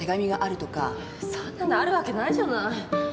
そんなのあるわけないじゃない。